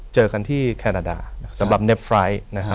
เจากันที่แคนาดาสำหรับเนฟไลท์